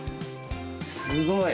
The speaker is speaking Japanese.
すごい！